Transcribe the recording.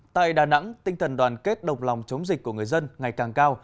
tại đà nẵng tinh thần đoàn kết độc lòng chống dịch của người dân ngày càng cao